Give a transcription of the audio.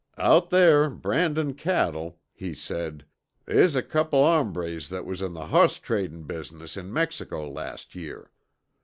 "Out thar brandin' cattle," he said, "they's a couple hombres that was in the hoss tradin' business in Mexico last year.